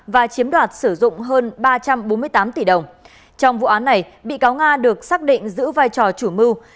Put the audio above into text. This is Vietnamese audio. và chiếm đoạt sử dụng hơn ba trăm bốn mươi tám tỷ đồng trong vụ án này bị cáo nga được xác định giữ vai trò chủ mưu